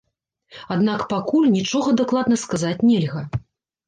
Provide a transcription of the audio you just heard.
Аднак пакуль нічога дакладна сказаць нельга.